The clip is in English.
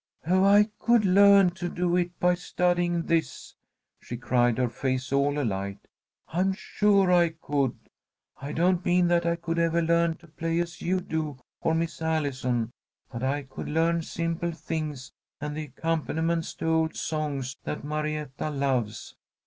"Oh, I could learn to do it by studying this!" she cried, her face all alight. "I am sure I could. I don't mean that I could ever learn to play as you do, or Miss Allison, but I could learn simple things and the accompaniments to old songs that Marietta loves.